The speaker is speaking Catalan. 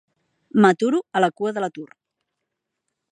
M'aturo a la cua de l'Atur.